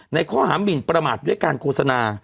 ในข้อหามินประมาทด้วยการโฆษณา